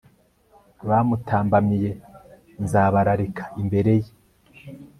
abamutambamiye nzabararika imbere ye